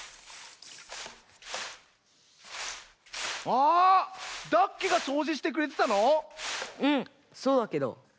あダッケがそうじしてくれてたの⁉うんそうだけど。